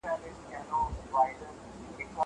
زه به سبا د زده کړو تمرين وکړم!